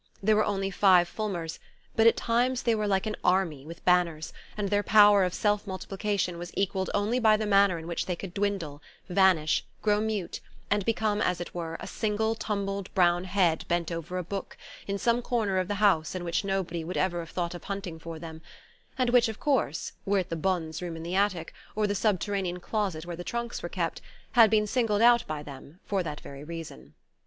There were only five Fulmers; but at times they were like an army with banners, and their power of self multiplication was equalled only by the manner in which they could dwindle, vanish, grow mute, and become as it were a single tumbled brown head bent over a book in some corner of the house in which nobody would ever have thought of hunting for them and which, of course, were it the bonne's room in the attic, or the subterranean closet where the trunks were kept, had been singled out by them for that very reason.